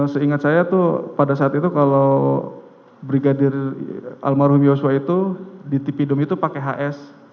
seingat saya tuh pada saat itu kalau brigadir almarhum yosua itu di tipidum itu pakai hs